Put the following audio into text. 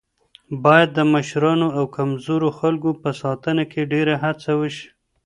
باید د مشرانو او کمزورو خلکو په ساتنه کې ډېره هڅه وشي.